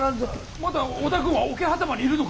まだ織田軍は桶狭間にいるのか？